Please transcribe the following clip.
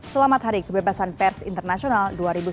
selamat hari kebebasan pers internasional dua ribu sembilan belas